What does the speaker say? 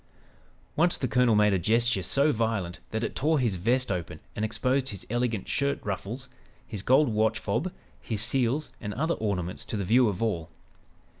Once the colonel made a gesture so violent that it tore his vest open and exposed his elegant shirt ruffles, his gold watch fob, his seals and other ornaments to the view of all.